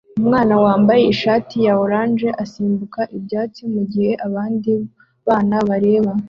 Umwana wambaye ishati ya orange asimbuka ibyatsi mugihe abandi bana bareba